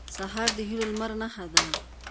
سهار د هيلو د لمر نښه ده.